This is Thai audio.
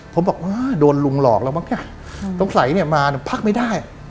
ผมบอกว่าโดนลุงหลอกแล้วมั้งเนี่ยสงสัยเนี่ยมาพักไม่ได้